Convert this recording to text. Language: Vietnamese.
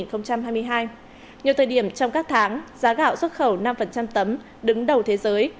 nhiều thời điểm trong các tháng giá gạo xuất khẩu năm tấm đứng đầu thế giới